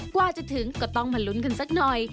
กว่าจะถึงก็ต้องมาลุ้นกันสักหน่อย